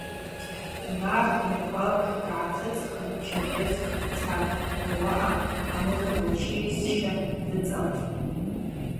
Нарт Майкъвап дгӏатыцӏхын Черкесск дцатӏ, ауаъа амузыка училища дыцӏалтӏ.